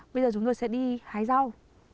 bây giờ chúng tôi sẽ đi hải rau